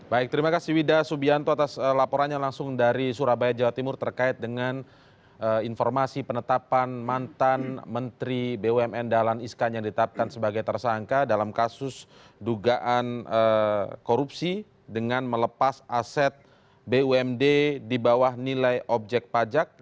baik terima kasih wida subianto atas laporannya langsung dari surabaya jawa timur terkait dengan informasi penetapan mantan menteri bumn dahlan iskan yang ditetapkan sebagai tersangka dalam kasus dugaan korupsi dengan melepas aset bumd di bawah nilai objek pajak